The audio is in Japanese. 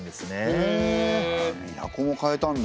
都も変えたんだ。